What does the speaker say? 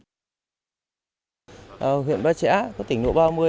huyện bà trẻ tỉnh lộ ba trăm ba mươi